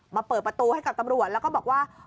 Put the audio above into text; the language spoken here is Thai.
เปิดประตูให้กับตำรวจแล้วก็บอกว่า